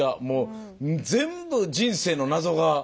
もう全部人生の謎が。